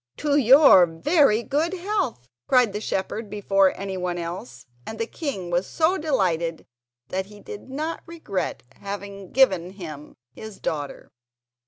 "To your very good health," cried the shepherd before anyone else, and the king was so delighted that he did not regret having given him his daughter.